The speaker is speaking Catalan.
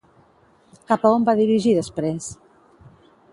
Cap a on va dirigir després?